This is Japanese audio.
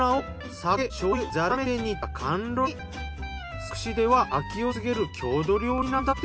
佐久市では秋を告げる郷土料理なんだって。